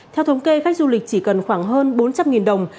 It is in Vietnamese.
theo thống kê khách du lịch chỉ cần khoảng hơn bốn trăm linh đồng